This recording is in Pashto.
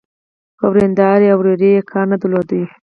په وريندارې او ورېرې يې کار نه درلود.